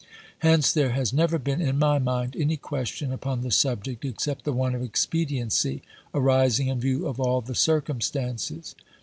Hence there has never been in my mind any ques tion upon the subject except the one of expediency, arising in view of all the circumstances.